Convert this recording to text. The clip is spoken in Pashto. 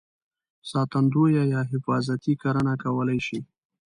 ساتندویه یا حفاظتي کرنه کولای شي.